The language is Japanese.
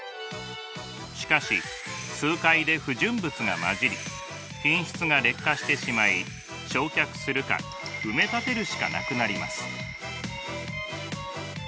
しかし数回で不純物が混じり品質が劣化してしまい焼却するか埋め立てるしかなくなります。